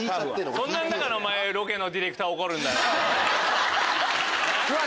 そんなんだからロケのディレクター怒るんだよ。